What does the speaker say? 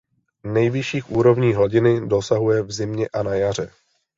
Nejvyšších úrovní hladiny dosahuje v zimě a na jaře.